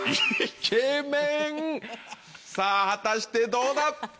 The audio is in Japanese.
さぁ果たしてどうだ？